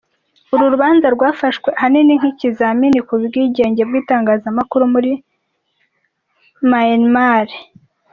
Uru rubanza rwafashwe ahanini nk'ikizamini ku bwigenge bw'itangazamakuru muri Myanmar.